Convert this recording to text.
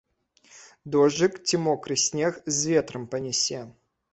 Дожджык ці мокры снег з ветрам панясе.